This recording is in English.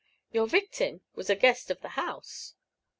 "Your victim was a guest of the house."